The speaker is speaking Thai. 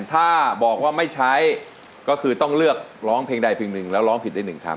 ถ้าบอกว่าไม่ใช้ก็คือต้องเลือกร้องเพลงใด๑แล้วร้องผิดได้๑คำ